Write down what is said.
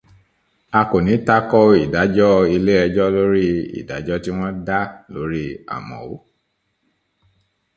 A kò ní takò ìdájọ ilé ẹjọ́ lórí ìdájọ́ tí wọ́n dá lórí Àmọ̀ọ́.